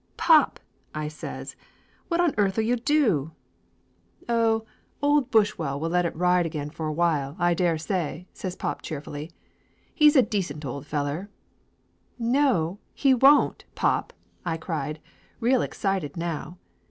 "Pop!" I says. "What on earth'll you do?" 46 Laughter Limited 47 "Oh, old Bushwell will let it ride again for a while, I dare say!" says pop cheerfully. "He's a decent old feller!" "No, he won't, pop!" I cried, real excited now.